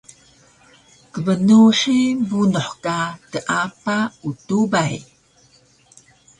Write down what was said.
Kbnuhi bunuh ka teapa utubay